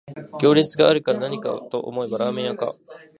行列があるからなにかと思えばラーメン屋か